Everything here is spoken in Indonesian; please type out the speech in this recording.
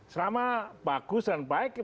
selama bagus dan baik